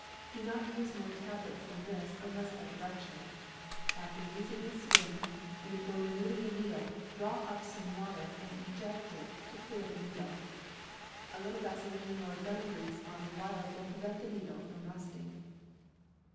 Do not use more tablets than this, unless by direction. After using the syringe, and before removing the needle, draw up some water and eject it to clear the needle. A little vase ACCIDENTS 319 lin or gun grease on the wire will prevent the needle from rusting.